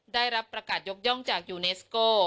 ได้รับประกาศยกย่องจากยูเนสโก